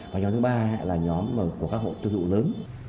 và nhóm thứ ba là nhóm của các hội tiêu dụ lớn